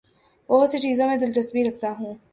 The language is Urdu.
بہت سی چیزوں میں دلچسپی رکھتا ہوں